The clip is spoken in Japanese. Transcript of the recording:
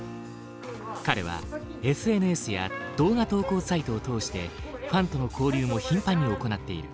彼はＳＮＳや動画投稿サイトを通してファンとの交流も頻繁に行っている。